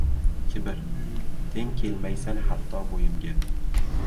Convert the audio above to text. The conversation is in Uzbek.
Kibr, teng kelmaysan hatto bo‘yimga